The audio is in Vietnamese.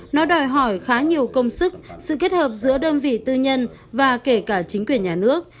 nó đòi hỏi khá nhiều công sức sự kết hợp giữa đơn vị tư nhân và kể cả chính quyền nhà nước